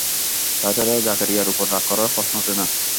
তাছাড়া জাকারিয়ার উপর রাগ করার প্রশ্ন উঠে না।